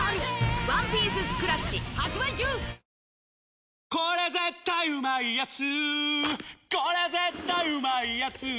「日清これ絶対うまいやつ」